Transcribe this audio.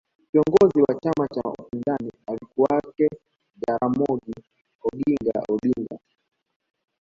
kiongozi wa chama cha upinzani alikuwake jaramogi oginga Odinga